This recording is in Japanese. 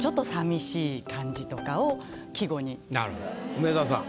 梅沢さん